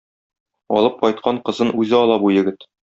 Алып кайткан кызын үзе ала бу егет.